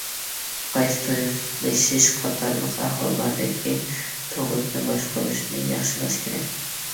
قايتا تويلىشىش قاتارلىق ئەھۋاللاردىكى تۇغۇتنى باشقۇرۇشنى ياخشىلاش كېرەك.